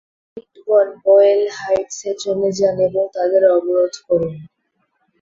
ইউনিটগণ, Boyle হাইটসে চলে যান এবং তাদের অবরোধ করুন।